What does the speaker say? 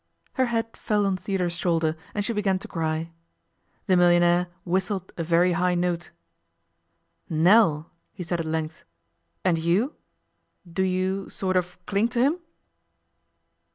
Her head fell on Theodore's shoulder and she began to cry. The millionaire whistled a very high note. 'Nell!' he said at length. 'And you? Do you sort of cling to him?